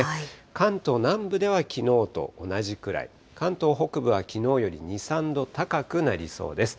関東南部ではきのうと同じくらい、関東北部はきのうより２、３度高くなりそうです。